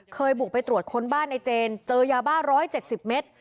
เคยบุกไปตรวจค้นบ้านในเจนเจอยาบ้า๑๗๐เมตร